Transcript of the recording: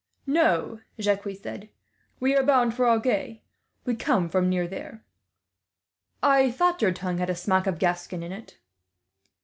"No," Jacques said, "we are bound for Agen. We come from near there." "I thought your tongue had a smack of Gascon in it."